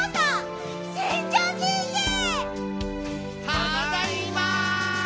ただいま！